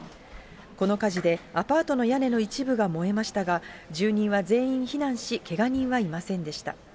この火事でアパートの屋根の一部が燃えましたが、住人は全員避難し、けが人はいませんでした。